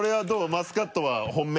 マスカットは本命？